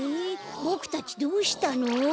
ぼくたちどうしたの？